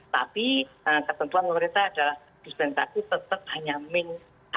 tapi ketentuan mereka adalah dispensasi tetap hanya min satu